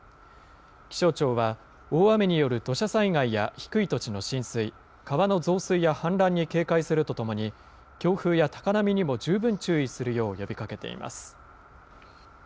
気象庁は、大雨による土砂災害や低い土地の浸水、川の増水や氾濫に警戒するとともに、強風や高波にも十分注意するよう呼びかけています。